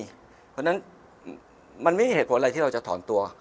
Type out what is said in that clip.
เพราะฉะนั้นมันไม่มีเหตุผลอะไรที่เราจะถอนตัว